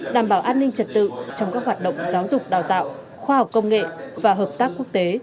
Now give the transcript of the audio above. đảm bảo an ninh trật tự trong các hoạt động giáo dục đào tạo khoa học công nghệ và hợp tác quốc tế